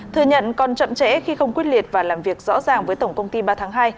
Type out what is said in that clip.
thừa nhận còn chậm trễ khi không quyết liệt và làm việc rõ ràng với tổng công ty ba tháng hai